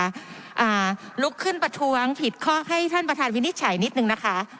อ่าลุกขึ้นประท้วงผิดข้อให้ท่านประธานวินิจฉัยนิดนึงนะคะ